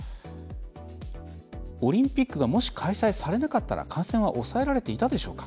オリンピックがもし開催されなかったら感染は抑えられていたでしょうか。